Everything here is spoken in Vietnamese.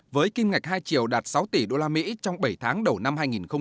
với kim ngạch hai triều đạt sáu tỷ usd trong bảy tháng đầu năm hai nghìn một mươi chín